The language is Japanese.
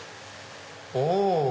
お！